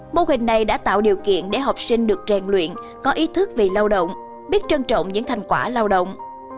mô hình này đã tạo điều kiện để học sinh được rèn luyện có ý thức vì lao động biết trân trọng những thành quả lao động